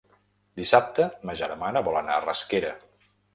Dissabte ma germana vol anar a Rasquera.